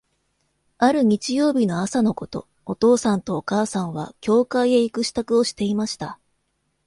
ある日曜日の朝のこと、お父さんとお母さんは、教会へ行く支度をしていました。